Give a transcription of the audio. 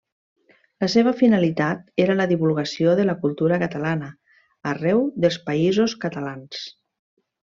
La seva finalitat era la divulgació de la cultura catalana arreu dels Països Catalans.